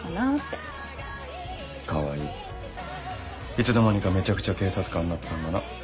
いつの間にかめちゃくちゃ警察官になってたんだな。